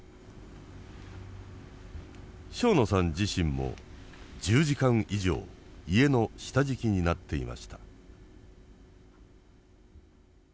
庄野さん自身も１０時間以上家の下敷きになっていました。